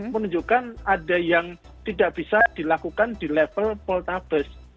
menunjukkan ada yang tidak bisa dilakukan di level poltabes